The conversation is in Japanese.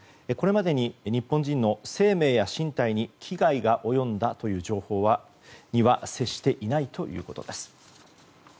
これまでに日本人の生命や身体に危害が及んだという情報には接していないということです。